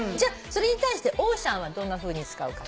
それに対してオーシャンはどんなふうに使うか？